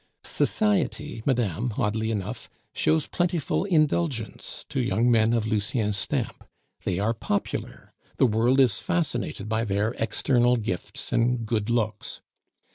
"Society, madame, oddly enough, shows plentiful indulgence to young men of Lucien's stamp; they are popular, the world is fascinated by their external gifts and good looks.